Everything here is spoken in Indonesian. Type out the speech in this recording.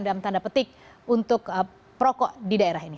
dalam tanda petik untuk perokok di daerah ini